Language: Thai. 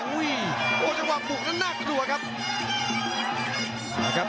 โอ้โหจังหวะบุกนั้นน่ากลัวครับ